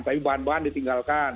tapi bahan bahan ditinggalkan